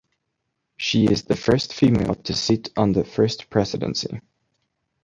She is the first female to sit on the First Presidency.